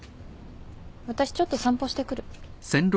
私ちょっと散歩してくる。